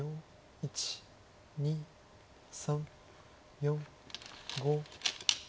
１２３４５６。